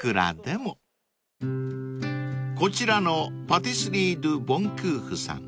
［こちらのパティスリィドゥ・ボン・クーフゥさん